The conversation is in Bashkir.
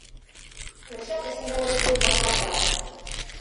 Көршәк эсендәге юлбаҫарҙар: